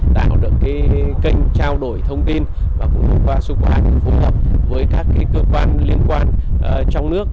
tạo được cái kênh trao đổi thông tin và cũng thông qua sứ quán phối hợp với các cơ quan liên quan trong nước